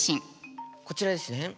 こちらですね。